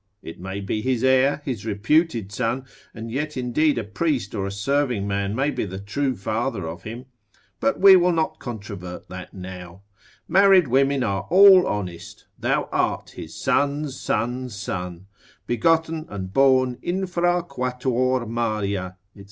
It may be his heir, his reputed son, and yet indeed a priest or a serving man may be the true father of him; but we will not controvert that now; married women are all honest; thou art his son's son's son, begotten and born infra quatuor maria, &c.